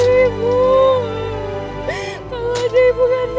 nanti gak akan begini kejadiannya